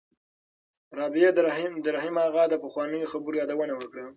رابعې د رحیم اغا د پخوانیو خبرو یادونه وکړه.